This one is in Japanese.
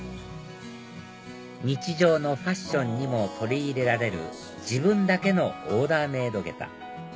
日常のファッションにも取り入れられる自分だけのオーダーメイド下駄